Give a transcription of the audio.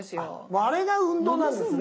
あれが運動なんですね。